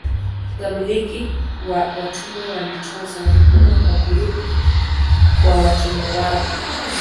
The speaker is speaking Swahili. Wamiliki wa watumwa walitoa zawadi kubwa kwa kurudi kwa watumwa wao.